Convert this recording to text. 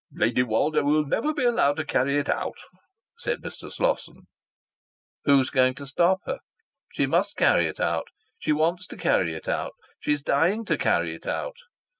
"Lady Woldo will never be allowed to carry it out," said Mr. Slosson. "Who's going to stop her? She must carry it out. She wants to carry it out. She's dying to carry it out.